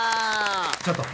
ちょっと！